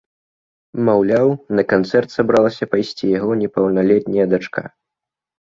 Маўляў, на канцэрт сабралася пайсці яго непаўналетняя дачка.